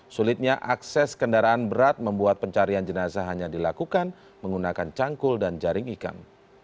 sulitnya akses kendaraan berat membuat pencarian jenazah hanya dilakukan menggunakan cangkul dan jaring ikan